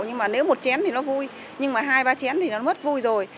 nhưng mà nếu một chén thì nó vui nhưng mà hai vá chén thì nó mất vui rồi